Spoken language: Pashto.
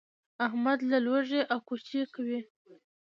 احمد له لوږې اګوچې کوي.